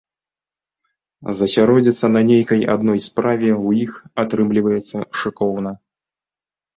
Засяродзіцца на нейкай адной справе ў іх атрымліваецца шыкоўна.